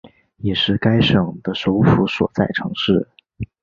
也是该省的首府所在城市。